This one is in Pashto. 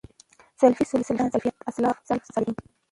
سلفي، سلفۍ، سلفيان، سلفيَت، اسلاف، سلف صالحين